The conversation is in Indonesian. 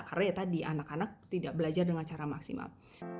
karena ya tadi anak anak tidak belajar dengan cara maksimal